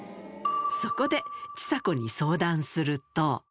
そこでちさ子に相談すると。